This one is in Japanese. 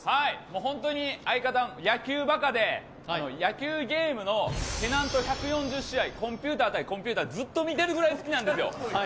本当に相方、野球バカで野球ゲームのペナント１４０試合、コンピューター×コンピューターをずっと見てるくらい好きなんですよ。